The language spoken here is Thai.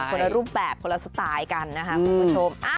คนละรูปแบบคนละสไตล์กันนะคะคุณผู้ชม